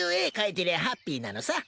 てりゃハッピーなのさ。